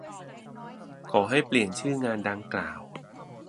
ขอให้เปลี่ยนชื่องานดังกล่าว